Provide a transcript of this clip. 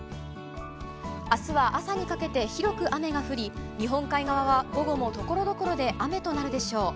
明日は、朝にかけて広く雨が降り日本海側は、午後もところどころで雨となるでしょう。